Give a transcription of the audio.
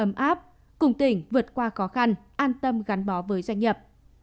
ấm áp cùng tỉnh vượt qua khó khăn an tâm gắn bó với doanh nghiệp